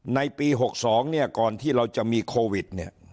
ในปี๖๒ก่อนที่เราจะมีโควิด